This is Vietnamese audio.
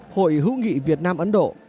hội hữu nghị việt nam ấn độ